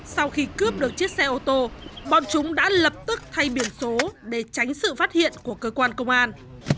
sau khi cướp được chiếc xe ô tô bọn chúng đã lập tức thay biển số để tránh sự phát hiện của cơ quan công an